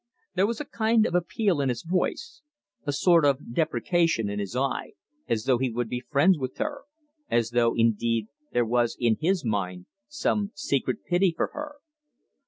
There was a kind of appeal in his voice, a sort of deprecation in his eye, as though he would be friends with her, as though, indeed, there was in his mind some secret pity for her.